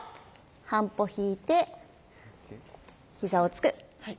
半歩引いて膝をつく。